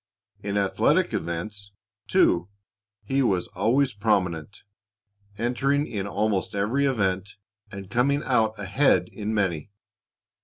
In athletic events, too, he was always prominent, entering in almost every event, and coming out ahead in many.